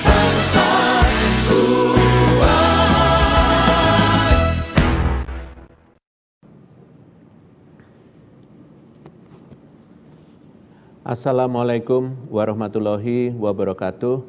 assalamualaikum warahmatullahi wabarakatuh